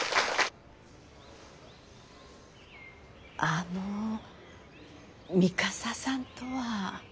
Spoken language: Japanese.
あの三笠さんとは。